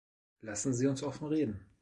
Lassen Sie uns offen reden.